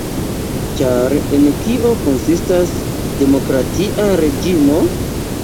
Ĉar en kio konsistas demokratia reĝimo?